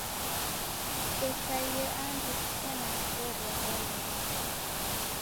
Kusekaie andu kusena sere aw'ai wapo